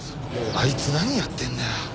あいつ何やってんだよ！